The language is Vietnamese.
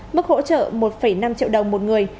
mức hỗ trợ một năm triệu đồng một người